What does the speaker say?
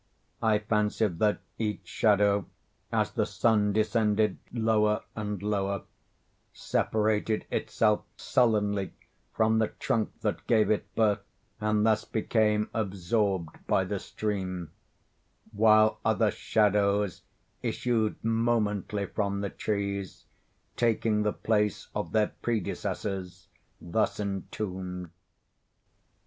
I fancied that each shadow, as the sun descended lower and lower, separated itself sullenly from the trunk that gave it birth, and thus became absorbed by the stream; while other shadows issued momently from the trees, taking the place of their predecessors thus entombed.